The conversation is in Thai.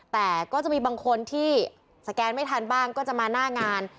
แต่ก็จะมีบางคนที่สแกนไม่ทันบ้างก็จะมาหน้างาน